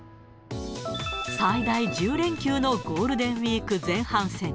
最大１０連休のゴールデンウィーク前半戦。